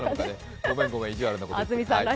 ごめん、ごめん、意地悪なこと言って。